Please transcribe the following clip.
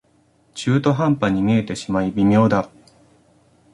中途半端に見えてしまい微妙だ